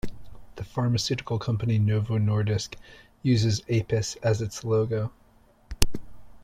The pharmaceutical company Novo Nordisk uses Apis as its logo.